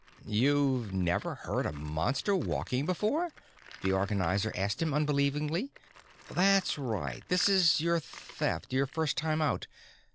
"You've never heard a Monster walking before?" the Organizer asked him unbelievingly. "That's right this is your Theft, your first time out.